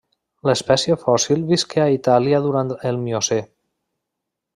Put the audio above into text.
L'espècie fòssil visqué a Itàlia durant el Miocè.